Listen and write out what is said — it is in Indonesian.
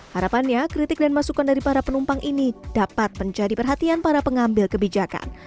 harapannya kritik dan masukan dari para penumpang ini dapat menjadi perhatian para pengambil kebijakan